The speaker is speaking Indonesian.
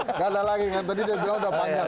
nggak ada lagi kan tadi dia bilang udah panjang